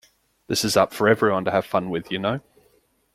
This is up for everyone to have fun with, you know?